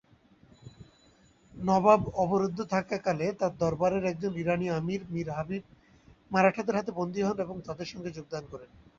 নবাব অবরুদ্ধ থাকাকালে তার দরবারের একজন ইরানি আমির মীর হাবিব মারাঠাদের হাতে বন্দি হন এবং তাদের সঙ্গে যোগদান করেন।